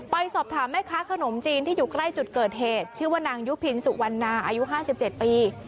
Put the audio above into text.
ไปสอบถามแม่ค้าขนมจีนที่อยู่ใกล้จุดเกิดเหตุชื่อว่านางยุพินสุวรรณาอายุ๕๗ปี